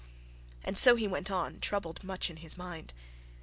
And so he went on troubled much in his mind.